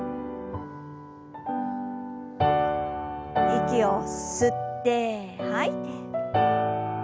息を吸って吐いて。